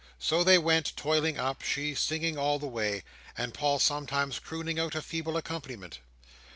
So they went, toiling up; she singing all the way, and Paul sometimes crooning out a feeble accompaniment.